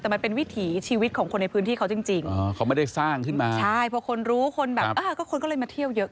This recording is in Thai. แต่มันเป็นวิถีชีวิตของคนในพื้นที่เขาจริงผมไม่ได้สร้างที่มีทุกคนนรู้คนแบบก็ค้นก็เลยมาเที่ยวเยอะ